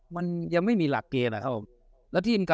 มันยังไม่มีหลักเกณฑ์นะครับผม